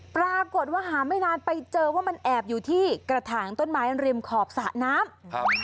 ปรากฏว่าหาไม่นานไปเจอว่ามันแอบอยู่ที่กระถางต้นไม้ริมขอบสระน้ำ